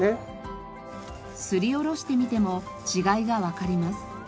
すりおろしてみても違いがわかります。